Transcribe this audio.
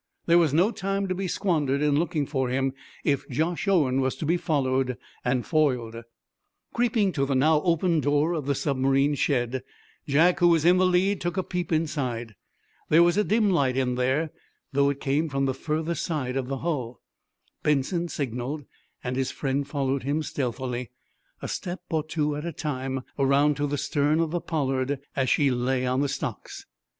There was no time to be squandered in looking for him if Josh Owen was to be followed and foiled. Creeping to the now open door of the submarine's shed, Jack, who was in the lead, took a peep inside. There was a dim light in there, though it came from the further side of the hull. Benson signaled, and his friend followed him, stealthily, a step or two at a time, around to the stern of the "Pollard" as she lay on the stocks.